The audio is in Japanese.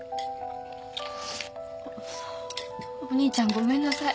お兄ちゃんごめんなさい。